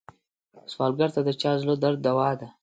سوالګر ته د چا زړه درد دوا ده